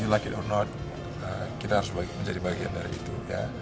kau suka atau tidak kita harus menjadi bagian dari itu